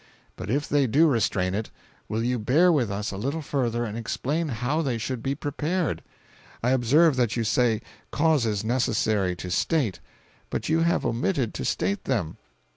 —But if they do restrain it, will you bear with us a little further and explain how they should be prepared? I observe that you say 'causes necessary to state,' but you have omitted to state them.